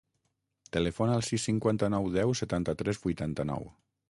Telefona al sis, cinquanta-nou, deu, setanta-tres, vuitanta-nou.